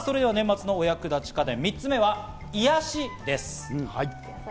年末お役立ち家電、３つ目は癒やしです。